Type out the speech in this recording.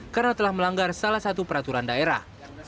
karena telah melanggar salah satu peraturan daerah